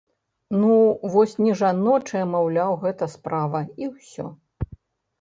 Ну вось не жаночая, маўляў, гэта справа і ўсё!